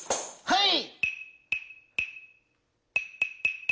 はい。